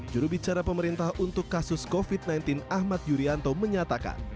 jurubicara pemerintah untuk kasus covid sembilan belas ahmad yuryanto menyatakan